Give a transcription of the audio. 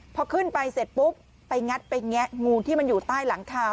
พอขึ้นไปเสร็จปุ๊บไปงัดไปแงะงูที่มันอยู่ใต้หลังคา